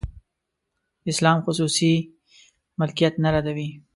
اسلام خصوصي ملکیت نه ردوي.